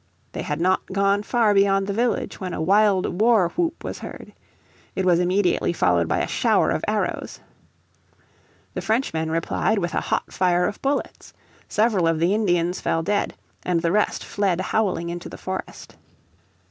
They had not gone far beyond the village when a wild war whoop was heard. It was immediately followed by a shower of arrows. The Frenchmen replied with a hot fire of bullets. Several of the Indians fell dead, and the rest fled howling into the forest.